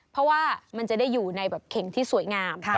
เพราะว่ามันจะได้อยู่ในแบบเข่งที่สวยงาม